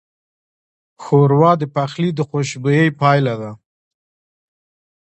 ښوروا د پخلي د خوشبویۍ پایله ده.